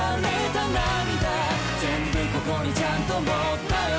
「全部ここにちゃんと持ったよ